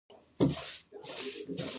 هغه د برټانیې سره په جنګ کې مرسته کول غوښتل.